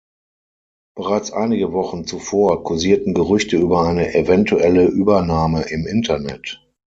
Bereits einige Wochen zuvor kursierten Gerüchte über eine eventuelle Übernahme im Internet.